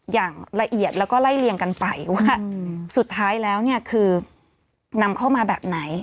อย่างละเอียดอะไรกันไปสุดท้ายแล้วเนี่ยคือนำเข้ามาแบบไหน